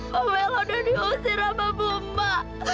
mama ella udah diusir sama bumba